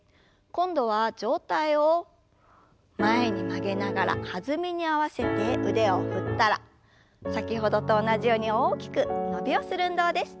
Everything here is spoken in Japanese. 今度は上体を前に曲げながら弾みに合わせて腕を振ったら先ほどと同じように大きく伸びをする運動です。